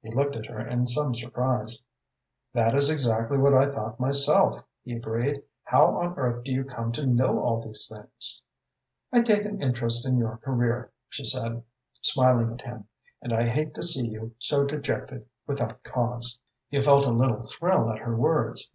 He looked at her in some surprise. "That is exactly what I thought myself," he agreed. "How on earth do you come to know all these things?" "I take an interest in your career," she said, smiling at him, "and I hate to see you so dejected without cause." He felt a little thrill at her words.